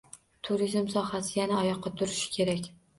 Turizm sohasi yana oyoqqa turishi kerak